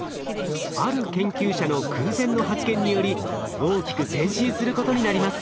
ある研究者の偶然の発見により大きく前進することになります。